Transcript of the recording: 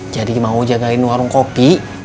jadi mau jagain warung kopi